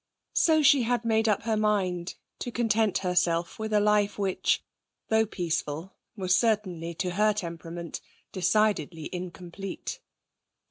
So she had made up her mind to content herself with a life which, though peaceful, was certainly, to her temperament, decidedly incomplete.